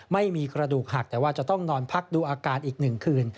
ไม่มีกระดูกหักแต่ว่าจะต้องนอนพักดูอาการอีก๑คืน